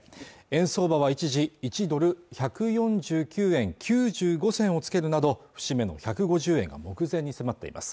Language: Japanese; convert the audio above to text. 円相場は一時１ドル＝１４９円９５銭を付けるなど節目の１５０円が目前に迫っています